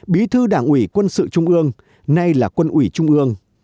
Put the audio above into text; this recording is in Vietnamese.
bí thư đảng ủy quân sự trung mương nay là quân ủy trung mương